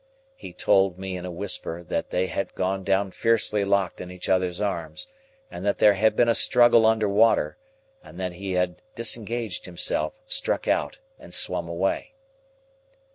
He told me in a whisper that they had gone down fiercely locked in each other's arms, and that there had been a struggle under water, and that he had disengaged himself, struck out, and swum away.